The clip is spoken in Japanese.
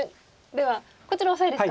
ではこちらオサエですか？